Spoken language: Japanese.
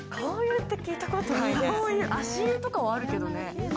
足湯とかはあるけどね。